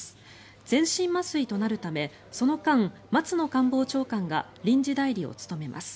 全身麻酔となるためその間、松野官房長官が臨時代理を務めます。